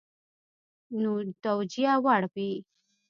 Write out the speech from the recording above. توجیه وړ وي.